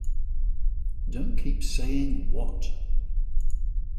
Don't keep saying, 'What?'